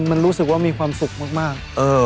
มันรู้สึกว่ามีความสุขมาก